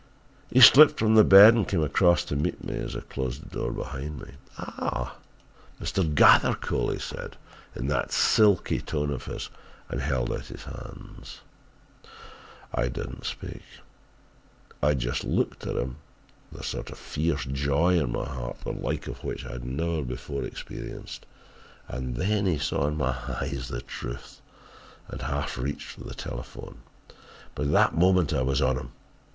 "He slipped from the bed and came across to meet me as I closed the door behind me. "'Ah, Mr. Gathercole,' he said, in that silky tone of his, and held out his hand. "I did not speak. I just looked at him with a sort of fierce joy in my heart the like of which I had never before experienced. "'And then he saw in my eyes the truth and half reached for the telephone. "But at that moment I was on him.